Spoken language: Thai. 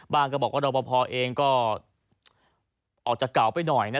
บางคนก็บอกว่ารบพอก็ออกจากเก่าไปหน่อยนะ